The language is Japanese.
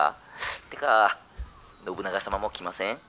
ってか信長様も来ません？」。